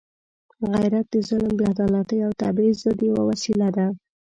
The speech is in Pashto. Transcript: غیرت د ظلم، بېعدالتۍ او تبعیض ضد یوه وسله ده.